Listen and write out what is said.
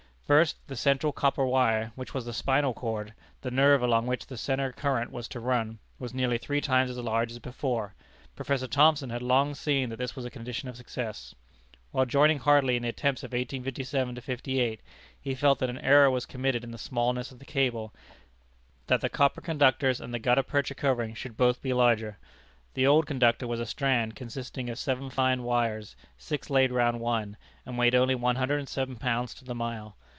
First, the central copper wire, which was the spinal cord, the nerve along which the centre current was to run, was nearly three times as large as before. Prof. Thomson had long seen that this was a condition of success. While joining heartily in the attempts of 1857 58, he felt that an error was committed in the smallness of the cable; that the copper conductors and the gutta percha covering should both be much larger. The old conductor was a strand consisting of seven fine wires, six laid round one, and weighed only one hundred and seven pounds to the mile.